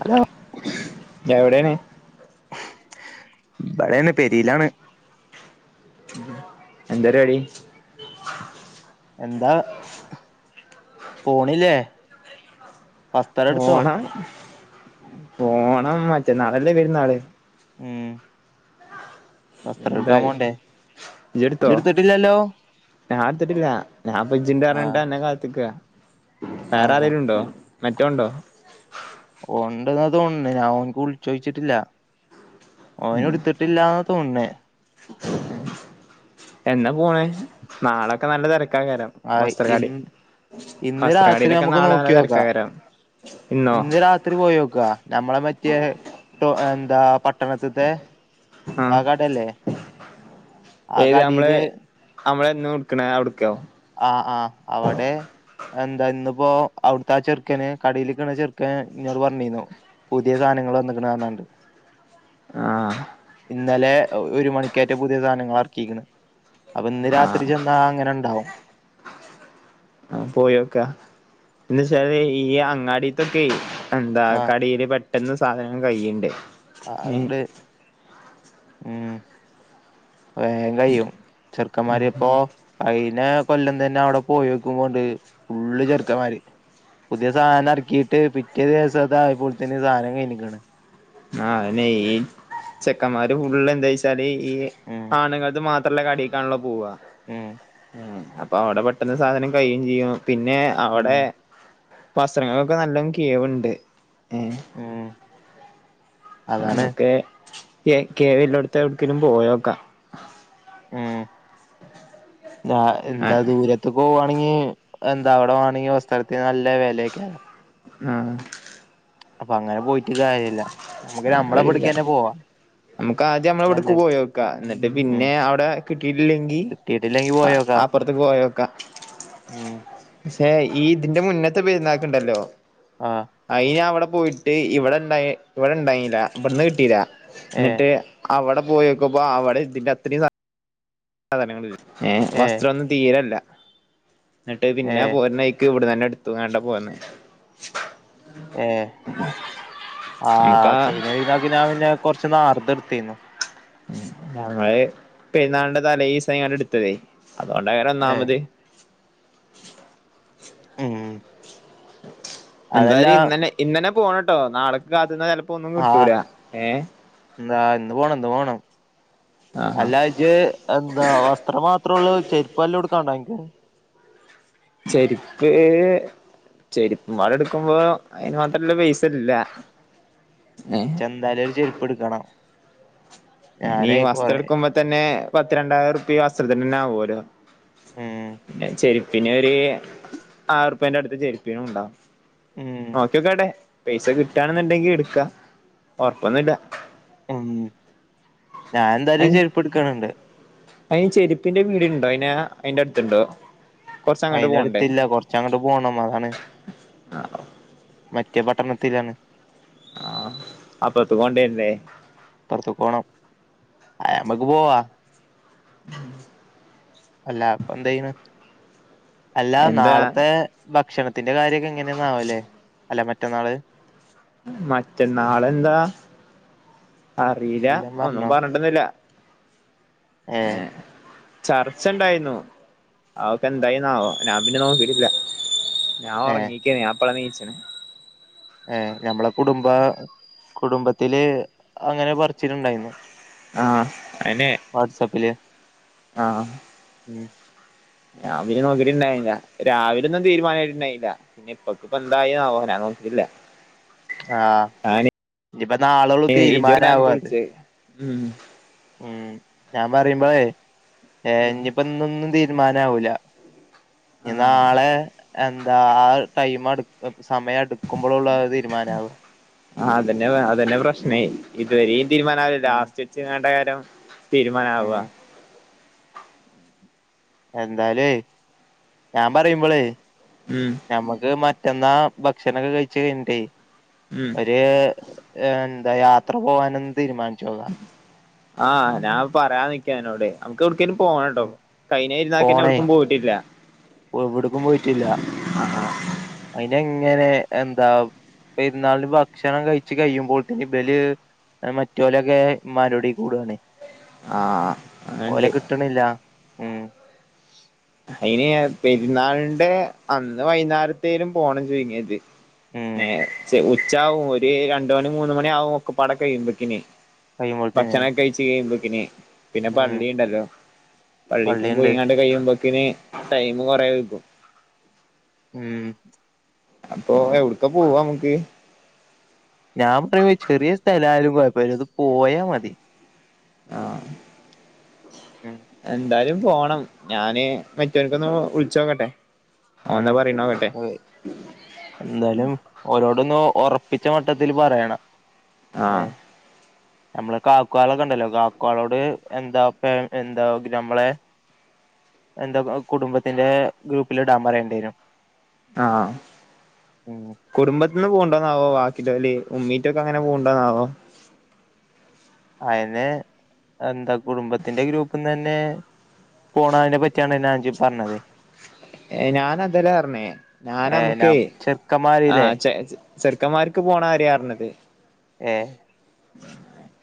Hello എവിടെയാണ്. ഇബടെണ് പെരിലാണ്. ഉം എന്താ പരിപാടി. എന്താ പോണില്ലേ. വസ്ത്രം എടുത്തോ പോണം പോണം മറ്റെന്നാളല്ലേ പെരുന്നാള്. ഉം വസ്ത്രം എടുക്കാൻ എന്തായ് പോണ്ടേ ജ്ജ് ഇട്ത്തോ. ഇജ്ജ് എടുത്തിട്ടില്ലല്ലോ ഞാൻ എട്ത്തിട്ടില്ല ഞാൻ ഇപ്പൊ ഇജി ണ്ട്ന്ന് പറഞ്ഞാണ്ട് ആഹ് അന്നെ കാത്ത്ക്കാ വേറെ ആഹ് ആരെങ്കിലും ഇണ്ടോ മറ്റോൻ ഇണ്ടോ. ഉണ്ടെന്നാ തോന്നുന്നെ ഞാൻ ഓൻക്ക് വിളിച്ചോയിച്ചിട്ടില്ല. ഓന്എടുത്തിട്ട് ട്ടില്ലാന്നാ തോന്നേ. എന്നാ പോണെ നാളൊക്കെ നല്ല തെരക്കാക്കാരം. ആഹ് ഇൻ വസ്ത്രക്കടി ഇന്ന് രാത്രി വസ്ത്രക്കാടിയിലൊക്കെ നമുക്ക് നാളെ നല്ല നോക്കിയോക്കാ തിരക്കെക്കാരം ഇന്നോ. ഇന്ന് രാത്രി പോയി നോക്കാ നമ്മളെ മറ്റേ എന്താ പട്ടണത്തിത്തെ. ആ കട അല്ലേ. ഏത് നമ്മളെ നമ്മള് ഇട്ക്ക്ണെ അവ്ട്ക്കോ. ആ ആ അവിടെ. എന്താ ഇന്നിപ്പോ അവിടുത്തെ ആ ചെറുക്കന് കടയില് നിക്കണ ചെറുക്കന് ഇന്നോട് പറഞ്ഞിന്നു. പുതിയ സാധനങ്ങൾ വന്നിക്ക്‌ണ്ന്ന് പറഞ്ഞാണ്ട്. ആ ഇന്നലെ ഒരു മണിക്കെറ്റെ പുതിയ സാധനങ്ങൾ എറക്കിക്ക്ണ്. അപ്പൊ ഇന്ന് ആ രാത്രി ചെന്നാ അങ്ങനെ ഇണ്ടാവും. പോയോക്ക എന്ന് വച്ചാല് ഈ അങ്ങാടിത്തൊക്കെ എന്താ ആഹ് കടീല് പ എന്നും സാധനങ്ങൾ കയ്യിണ്ട്. ആണ്ട് ഉം. വേം കയ്യും ചെറുക്കന്മാരിപ്പോ. കഴിഞ്ഞ കൊല്ലം തന്നെ അവിടെ പോയി നോക്കുമ്പോണ്ട് ഫുള്ള് ചെറുക്കന്മാര്. പുതിയ സാധനം ഇറക്കിയിട്ട് പിറ്റേ ദിവസം ഇതായപ്പോത്തിന് സാധനം കഴിഞ്ഞിക്ക്‌ണ്. ഹ് അതന്നേയ് ഈ ചെക്കന്മാര് ഫുള് എന്താച്ചാല് ഈ ഉം ആണുങ്ങൾത് മാത്ര ത്രള്ള കടിക്കാണള്ളോ പോവാ ഉം ഉം അപ്പൊ അവിടെ പെട്ടന്ന് സാധനം കഴിയും ചെയ്യും. പിന്നെ ഉം അവിടെ വസ്ത്രങ്ങൾക്കെ നല്ലം കിഴിവുണ്ട്. ഉം അതാണ് നമുക്ക് കേ കേവില്ലടുത്ത് എവിടക്കലും പോയി നോക്കാ ഏഹ് ഞാ എന്താ ആഹ് ദൂരത്ത് അതിപ്പോ പോകുകവാണെങ്കിൽ എന്താവിടെ വാണെങ്കിൽ വസ്ത്രത്തിന് നല്ല വെല ആക്കാരം. ആഹ് അപ്പൊ അങ്ങനെ പോയിട്ട് കാര്യമില്ല. നമുക്ക് നമ്മളെ ഇബിടിക്ക്‌ അങ്ങനൊരിതാ തന്നെ പോവാ. നമുക്ക് ആദ്യം നമ്മളെ ഇവിടക്ക് നല്ലേ പോയി നോക്ക എന്നിട്ട് ഉം പിന്നെ അവിടെ കിട്ടിയിട്ടില്ലെങ്കിൽ. കിട്ടിയിട്ടില്ലെങ്കി ആ പോയോക്കാ അപ്പറത്ത്ക്ക് പോയോക്കാം. ഉം പഷേ ഈ ഇതിന്റെ മുന്നത്തെ പെരുന്നാക്ക്ണ്ടല്ലോ ആ. ആയിന് അവിടെ പോയിട്ട് ഇവിടെ ഇണ്ടായി ഇവിടെ ഇണ്ടായിനിലാ ഇവിടെന്ന് കിട്ടീല ഏഹ് ഇന്നിട്ട് അവടെ പോയക്കപ്പോ അവിടെ ഇതിന്റത്രയും സാ സാധനങ്ങൾ ഏഹ് വസ്ത്രന്നും തീരല്ല ന്നട്ട് പിന്നെ ഏഹ് പോർനൈക്ക് ഇവിടന്നന്നെ എടുത്തുക്കാണ്ടാ പോന്നെ ഏഹ് ആഹ് നമുക്കാ കഴിഞ്ഞ പെർന്നാക്കി ഞാൻ പിന്നെ കൊറച്ച് ന്നാർത്തെടുത്തീന്നു ഞങ്ങള് പെരുന്നാൾന്റെ തലേസായിങ്കാണ്ടട്ത്തതേ അതോണ്ടേകരം ഏഹ് ഒന്നാമത് ഉം അതല്ല എന്തായാലും ഇന്നന്നെ ഇന്നന്നെ പോണംട്ടോ നാളക്ക് കാത്ത്ന്ന ചെലപ്പോ ഒന്നും കിട്ടൂലാ ഏഹ് ന്നാ ഇന്ന് പോണം ഇന്ന് പോണം ആഹ് അല്ലാ ജ്ജ് എന്താ വസ്ത്രം മാത്രള്ളൂ ചെരിപ്പല്ലോട്ക്കണ്ടാ അൻക്ക് ചെരിപ്പ് ചെരുപ്പുംപാടെ എടുക്കുമ്പോ അയ്ന് മാത്രള്ള പൈസ ഇല്ല ഏ ഇച്ചെന്തായാലും ഒരു ചെരുപെടുക്കണം അയ്നീ വസ്ത്രെടുക്കുമ്പൊതന്നെ പത്തി രണ്ടായിരം റുപ്യ വസ്ത്രത്തിനന്നെ ആവോല്ലോ ഉം പിന്നെ ചെരുപ്പിനൊര് ആയ്രുപ്യേന്റടുത്ത് ചെരുപ്പിനുംണ്ടാവും ഉം നോക്ക്യോക്കട്ടെ പൈസ കിട്ടാണെന്നുണ്ടെങ്കിടുക്കാ ഒർപ്പൊന്നുല്ല ഉം ഞാൻ ന്തായാലും ഒര് ചെരുപ്പട്ക്കണുണ്ട് അയ്ന് ചെരുപ്പിന്റെ പീട്യണ്ടോ അയിനാ അയിന്റെടുത്ത്ണ്ടോ അയിനടുത്ത്ല്ല കൊർ ചെ അങ്ങോട്ട് പോണം അതാണ് മറ്റേ പട്ടണത്തിലാണ്. ആഹ് അപ്പതുകോണ്ടെർണ്ടെ പൊർത്ത്ക്കോണം അയ്‌മ്മക്ക് പോവാ ഉം അല്ല അപ്പന്തെയ്യ്ണ് അല്ലാ എന്താ നാളത്തെ ഭക്ഷണ ത്തിന്റെ കാര്യൊക്കെ എങ്ങനെന്നാവല്ലേ അല്ല മറ്റന്നാള് മറ്റന്നാളെന്താ അറീല്ല എല്ലാം ഒന്നും പറഞ്ഞോ പറഞ്ഞിട്ടന്നില്ല ഏഹ് ചർച്ചണ്ടായിന്നു അവക്കെന്തായിന്നാവോ ഞാൻ പിന്നെ നോക്കിട്ടില്ല ഞാൻ ഏ ഉങ്ങീക്കേന് ഞാപ്പളാ നീച്ച്ണെ ഏഹ് ഞമ്മളെ കുടുംബ കുടുംബത്തില് അങ്ങനെ പറിച്ചില്ണ്ടായിന്നു ആഹ് അയിനെ വാട്സപ്പില് ആഹ് ഉം ഞാൻ പിന്നെ നോക്കിട്ടുണ്ടായില്ല രാവിലെ ഒന്നും തീരുമാനമായിട്ടുണ്ടായിനില്ല പിന്നെ ഇപ്പക്ക്പ്പെന്തായാവോ ഞാൻ നോക്കിട്ടില്ല ആ ആന് ഇനിയിപ്പ നാളോള്ളൂ [unintelligible] തീരുമാനാവും അത് ഉം ഉം ഞാൻ പറയുമ്പോഴേ ഏഹ് ഇഞ്ഞിപ്പോ ഇന്നൊന്നും തീരുമാനം ആവൂലാ ഞ്ഞ് ആഹ് നാളെ എന്താ ആ ടൈം അടുക് [unintelligible] സമയടുക്കുമ്പോളൊള്ളു അത് തീരുമാനാവാ ആഹ് അതന്നെ അതന്നെ പ്രശ്നേ ഇതുവരേം തീരുമാനാ ഉം ലാസ്റ്റ് ച്ച്ങ്ങാണ്ടേകാരം തീരുമാനാവാ ഉം എന്താലൊയ് ഞാൻ പറയുമ്പളേ ഉം ഞമ്മക്ക് മറ്റന്നാ ഭക്ഷണൊക്കെ കഴിച്ചഴിഞ്ഞിട്ടേ ഉം ഒരു എന്താ യാത്ര പോകാനന്ന് തീരുമാനിച്ചോ ആഹ് ഞാൻ പറയാനിക്കേനന്നോട് നമക്കെവിടക്കേലും പോണംട്ടോ ഉം. കൈഞ്ഞേരുന്നാക്കെന്നെ പോണേ എവ്ടുക്കും പോയിട്ടില്ല എവിടക്കും പോയിട്ടില്ലാ ആ അയിനെങ്ങനെ എന്താ പെര്ന്നാളിന് ഭക്ഷണം കഴിച്ച് കയ്യുമ്പോഴത്തിന് ബല് മറ്റോലൊക്കെ മ്മാൻ്റുടീക്ക് കൂടാണേ ആഹ് ഓലെ അണ്ട് കിട്ടണില്ല ഉം അയിന് പെരുന്നാളിന്റെ അന്ന് വൈന്നേരത്തേലും പോണം ചുരുങ്ങിത് ഉം ഏഹ് ച്ച് ഉച്ചാവും ഒര് രണ്ട്മണി മൂന്ന്മണ്യാവും ഒക്കപ്പാടെ കയ്യ്മ്പേക്കിനെ കഴിയുമ്പോഴത്തിന് ഭക്ഷണൊക്കെ കയിച്ച്ക്കയ്യുമ്പൊക്കിനെ പിന്നെ ഉം പള്ളീണ്ടല്ലോ പള്ളീക്കും പള്ളിയുണ്ട് പോയ്ങ്ങാണ്ട് കയ്യ്മ്പക്ക്ന് ടൈമ് കൊറേ വെകും മ്മ് അപ്പൊ എവ്ട്ക്കാ പോവാ നമക്ക് ഞാൻ പറയുമ്പേ ചെറ്യേ സ്ഥലായാലും കൊയപ്പല്ല ഒന്ന് പോയാ മതി ആഹ് ഉം എന്തായാലും പോണം ഞാന് മറ്റവ്ര്ക്കൊന്ന് വിളിച്ചോക്കട്ടെ ഉം ഓൻന്താ പറീണോക്കെട്ടെ അപ്പൊ എന്തായാലും ഓരോടൊന്ന് ഒറപ്പിച്ച മട്ടത്തില് പറയണം ആഹ് ഏഹ് ഞമ്മെളെ കാക്ക്വാളൊക്കെണ്ടല്ലോ കാക്ക്വാളോട് എന്താ പ്പെ എന്താ ഞമ്മെളെ [inaudible] എന്താപ്പം കുടുംബത്തിന്റെ ഗ്രൂപ്പ്ലിടാൻ പറ്യേണ്ടേരും ആഹ് ഉം കുടുംബത്ത്ന്ന് പോവ്ണ്ടോന്നാവോ വാക്കില്ലോല് ഉമ്മീറ്റൊക്കങ്ങനെ പോവ്ണ്ടോന്നാവോ അയിന്ന് എന്താ കുടുംബത്തിന്റെ ഗ്രൂപ്പ്ന്നെന്നെ പോണതിനെ പറ്റിയാണ്ലോ അഞ്ചി പറഞ്ഞത് ഏഹ് ഞാനതല്ല പർഞ്ഞേ ഏ ഞാനംക്കേ ഞാൻ ചെറുക്കന്മാരില്ലേ ആഹ് ചെ ചെർക്കന്മാർക്ക് പോണാര്യാർഞ്ഞത് ഏഹ്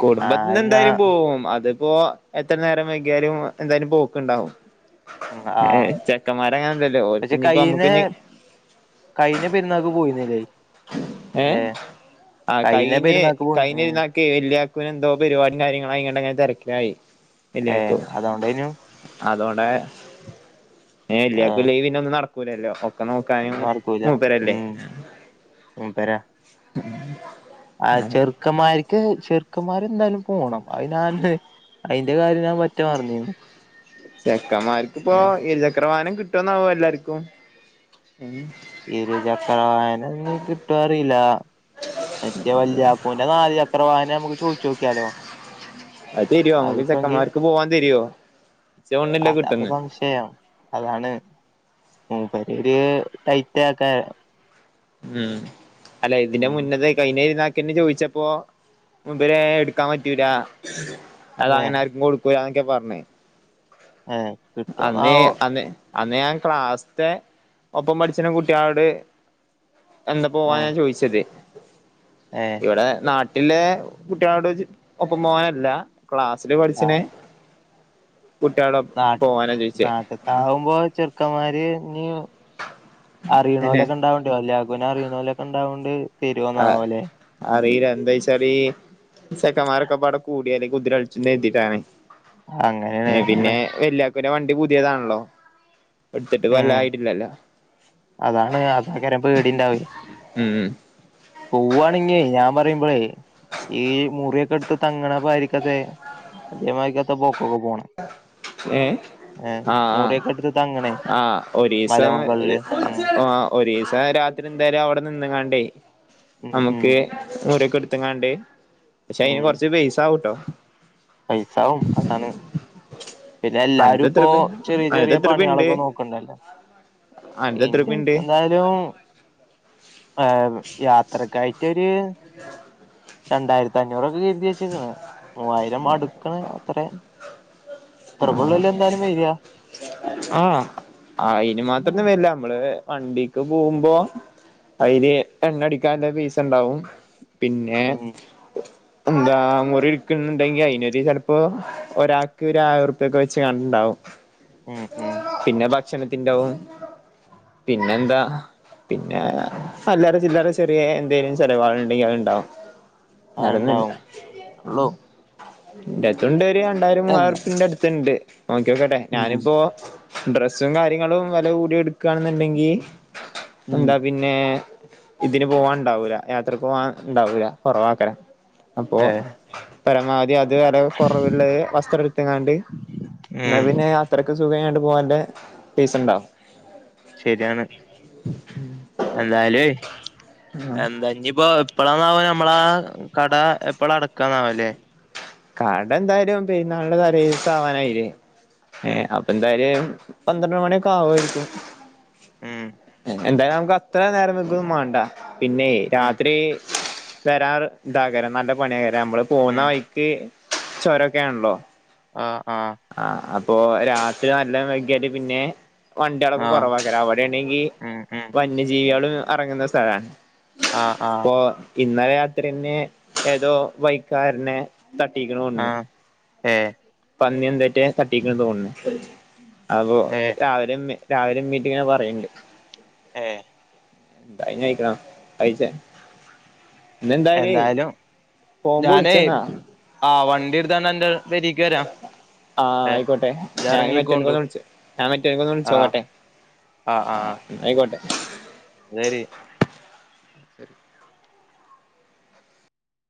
കുടുംബത്ത്ന്നെന്തായാലും പോവും അത് പ്പാേ എത്രെ നേരം വെക്യാലും എന്തായാലും പോക്ക്ണ്ടാവും ആ ഏഹ് ചെക്കന്മാരങ്ങൻല്ലല്ലേ ഓര്ക്കിഞ്ഞിപ്പൊ അമ്മക്ക്ഞ്ഞ് കയിഞ്ഞ പെരുന്നാക്ക് പോയിര്ന്നിലേ ഏഹ് ആഹ് കഴിഞ്ഞ കൈഞ്ഞെ പെരുന്നാക്ക് പോയി ഉം കൈഞ്ഞെര്ന്നാക്കെ വെല്യാ ക്കൂനെന്തോ പരിപാടീം കാര്യങ്ങളായ്ങ്ങാണ്ടങ്ങെനെ തെരക്കായി ഏ വല്യാക്കു അതോണ്ടേനു അതോണ്ടാ ഏഹ് ഏ വെല്യാക്കുല്ലേ പിന്നൊന്നും നട്ക്കൂലല്ലോ ഒക്കെ നോക്കാന് ഒന്നും മു നടക്കൂല മൂപ്പെരെല്ലേ ഉം മൂപ്പരാ ഹ്മ് ആഹ് ചെർക്കമ്മാര്ക്ക് ചെർക്കമ്മാരെന്തായാലും പോണം അത് ഞാൻ അയ്ന്റെ കാര്യം ഞാൻ പറ്റെ മറന്നീന്നു ചെക്കമ്മാര്ക്ക്പ്പൊ ഇരുചക്ര വാഹനം കിട്ടോന്നാവോ എല്ലാര്ക്കും ഉം ഇരുചക്ര വാഹനം ഞ്ഞ്‌ കിട്ടാേ അറീലാ മറ്റേ വല്യാക്കൂന്റെ നാല് ചക്ര വാഹനം ഞമ്മക്ക് ചോയ്ച്ചോക്ക്യാലോ അത് തര്വോ മ്ക്ക് ചെക്കമ്മാര്ക്ക് പോവാൻ തര്വോ ഇച്ചാേൺല്ല അതാപ്പൊ കിട്ടുംന്ന് [unintelligible] അതാണ് മൂപ്പരൊര് ടൈറ്റാക്കാ ഉം അല്ല ഇതിന്റെ ഉം മുന്നെത്തേ കയ്ഞ്ഞെര്ന്നാ ക്കിന്ന് ചോയ്ച്ചപ്പോ ഇബരെ ഇട്ക്കാൻ പറ്റൂല ഏ അതങ്ങനാര്ക്കും കൊട് ന്നക്കെ പറഞ്ഞേ ഹേ അന്ന്േ അന്ന് അന്ന്േ ഞാൻ ക്ലാസ്ത്തെ ഒപ്പം പഠിച്ച കുട്ടികളോട് എന്ത പോവ ഏ ഞാ ചോയ്ച്ചത് ഏ ഇവിടെ നാട്ട ഇല്ലെ കുട്ട്യാളോടൊച് ഒപ്പം മോനല്ല ക്ലാസ്സില് ആ പഠ്ച്ചിണേ. കുട്ടാള നാട്ട നാട്ട താവുമ്പോ ചെറുക്കന്മാര് ഇ അനെ അറിണോലൊക്കെ ണ്ടാവണ്ടോ ലഘുന അറിണോലൊക്കെ ണ്ടാവണ്ട്യ ആ തര്യോന്നാവോ ലേ. അറിയില്ല എന്താച്ചാല്ല് ചെക്കന്മാരൊക്കെ ഒകപാടെ കൂടിയാല്ല്കുതിരളിച്ചന്ന് കരി തിട്ടാണ് അങ്ങനെയാണ് എ പിന്നെ അതാണ് വല്ല പിന്നെ വണ്ടി പുത്യേതാൺല്ലോ ഇട്ത്തിട്ട് വല്ല ഉം ആയ്ട്ടില്ലല്ലോ. അതാണ് അതേയ്ക്കാരം പേടിണ്ടാവെയ് ഉം ഉം പോവാണെങ്ങേ ഞാൻ പറയ്മ്പ്ളേ ഈ മുറിയൊക്കെട്ത്ത് തങ്ങിണ പായിരിക്കത്തെ അതേമാരിക്കത്തെ പോക്കൊക്കെ പോണം ആ [unintelligible] ഏഹ് ഏഹ് ആഹ് മുറിയൊക്കെ എടുത്ത് തങ്ങണേ ആഹ് ആഹ് ഒരീസം. മലമുകളില് ഉം ആഹ് ഒരിസ രാത്രി ന്തായാലും അവിടെ നിന്ന് കാണ്ടെ. ഉം ഉം നമ്മുക്ക് മൂറ്യൊക്കെ ഇട്ത്തിങ്ങാണ്ട് പഷെ ഐന് ഉം കൊർച്ച് പൈസ ആവുട്ടോ പൈസാവും അതാണ് പിന്നെ അന്റെത് എല്ലാരും ഇപ്പോ എത്രുപ്യെ ചെറിയ അന്റത് ചെറിയ എത്രുപ്യെണ്ട് പണികളൊക്കെ നോക്കണ്ടല്ലോ ആന്റെ എത്രുപ്യണ്ട് ൻ്റൂ ഏഹ് യാത്രക്കായ്ട്ടൊര് രണ്ടായിര്ത്തഞ്ഞൂറൊക്കെ കെര്ത്യച്ചിക്ക്ണ് മൂവായിരം അടുക്കിണ് അത്രെ ആഹ് ആഹ് ആയ്ന് മാത്രന്ന് വര്ല്ല ഇങ്ങള് വണ്ടിക്ക് പോവുമ്പോ ഐല് എണ്ണടിക്കാൻള്ള പീസണ്ടാവും പിന്നെ ഉം എന്താ മുറി ഇട്ക്കിണിണ്ടെങ്കി അയ്നൊര് ചെൽപ്പോ ഒരാക്ക് രായിരുർപ്യക്കെ വെച്ച് കണ്ട്ണ്ടാവും ഉം ഉം പിന്നെ ഭക്ഷണത്തിന്റവും. പിന്നെന്താ. പിന്നെ അല്ലറ ചില്ലറ ചെറ്യേ എന്തേലും ചെലവാൾ ഇണ്ടെങ്കി അത് ഇണ്ടാവും അത്ണ്ടാവും വേറെന്നുല്ലാ ഉള്ളൂ ആഹ് ന്റെടുത്തുണ്ട് ഒര് രണ്ടായിരം എന്താ മൂവായുർപ്പിന്റെ അട്ത്തിണ്ട് നോക്ക്യോക്കട്ടെ ഉം ഞാനിപ്പോ ഡ്രസ്സും കാര്യങ്ങളും വെല കൂട്യ ഇട്ക്കാണ്ന്ന്ണ്ടെങ്കി ഉം എന്താ പിന്നെ നേ ഇതിന് പോവാൻ ഇണ്ടാവൂല യാത്രക്കോവാൻ ഇണ്ടാവൂല കൊറവാക്കാരം അപ്പോ ഏഹ് പരമാവധി അത് വെല കൊറവുള്ളത് വസ്ത്ര ആണ്ട് ന്നാ ഉം പിന്നെ ആത്രക്ക് സുഖായാണ്ട് പോവാൻല്ലെ പീസണ്ടോ ശെര്യാണ് എന്നാലുവെയ് എന്താ ഇഞ്ഞിപ്പ എപ്പളാന്നാവോ നമ്മളാ കട എപ്പഴാ അടക്കാന്നാവൊ ലേ കട ന്തായാലും പെര്ന്നാളിന്റെ തലേദിവസാവാനായിലെ ഏ ഉം അപ്പ് എന്തായാലും പന്ത്രണ്ട് മണിയൊക്കെ ആവോയിരിക്കും ഉം ഹേ എന്തായാലു നമക്ക് അത്ര നേരം നിക്കൊന്നു മാണ്ട പിന്നെയ് ഉം രാത്രി. വരാത് താകരം നല്ല പണിയാകരം നമ്മള് പോകുന്ന ഉം വഴി. ക്ക് ചൊരൊക്കെണല്ലോ. ആഹ് ആഹ് ആഹ് അപ്പൊ രാത്രി നല്ലോ വഗ്ഗ്യല് പിന്നെ. വണ്ട്യളൊക്കെ ആഹ് കൊറവാക്കരം അവിടെണ്ടെങ്കി ഉം ഉം വന്യജീവ്യള് അറങ്ങ്ന്ന സ്ഥല. ആഹ് ആഹ്. പൊ ഇന്നലെ രാത്ര്യെന്നെ ഏതോ വൈക്കാര്നെ തട്ടീക്ക്ണോണ്ണ് ആഹ് ഏഹ്. പന്ന്യൊന്തറ്റെ തട്ടിക്ക്ണ് തോന്ന്ൺ അപ്പൊ ഏഹ് രാവിലെ മ്മി- രാവിലെ മീറ്റിങ്ങ് പറയണ്ട് ഏഹ്. [unintelligible] കയ്ചെ ഇന്നെന്തായാലും എന്തായാലും പോവുമ്പോ വിളിച്ചെന്നാ ആഹ് വണ്ടി എടുത്താന്റെ പെരിക്ക് വരാം. ആഹ് ഏ ആയിക്കോട്ടെ ഇജ്ജ് ഞാൻ എറങ്ങിക്കോണ്ടു മറ്റോനിക്കെന്ന് വിളിച്ചു ഞാൻ മറ്റുനിക്കൊന്ന് ആ വിളിച്ചോക്കട്ടെ ആ ആ ആയിക്കോട്ടെ. ശരി.